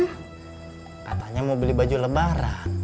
katanya mau beli baju lebaran